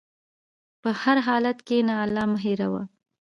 په هر حالت کښېنه، الله مه هېروه.